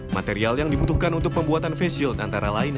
material yang dibutuhkan untuk pembuatan face shield antara lain